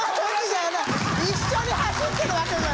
一緒に走ってるわけじゃ。